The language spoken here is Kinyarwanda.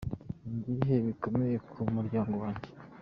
Ni ibihe bikomeye ku muryango wanjye.